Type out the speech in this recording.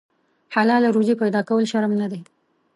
حلاله روزي پیدا کول شرم نه دی.